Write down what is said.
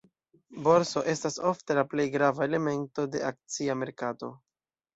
Borso estas ofte la plej grava elemento de akcia merkato.